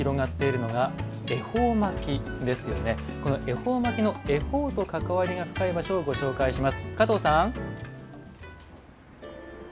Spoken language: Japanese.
この恵方巻きの恵方と関わりが深い場所をご紹介します。